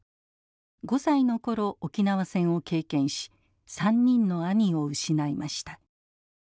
５歳の頃沖縄戦を経験し３人の兄を失いました。